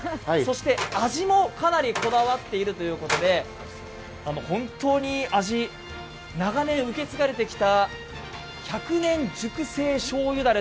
そして味もかなりこだわっているということで本当に味、長年受け継がれてきた１００円熟成しょうゆ